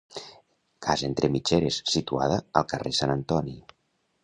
Casa entre mitgeres, situada al carrer Sant Antoni.